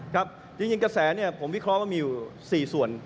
ครับจริงกระแสเนี่ยผมวิเคราะห์ว่ามีอยู่๔ส่วน